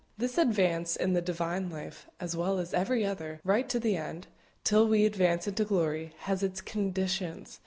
This advance in the Divine life, as well as every other, right to the end, till we advance into glory, has its conditions.